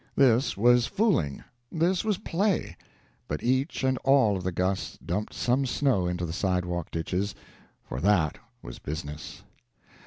This was fooling, this was play; but each and all of the gusts dumped some snow into the sidewalk ditches, for that was business.